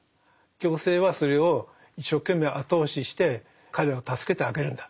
行政はそれを一生懸命後押しして彼らを助けてあげるんだ。